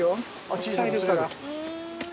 小さいですから。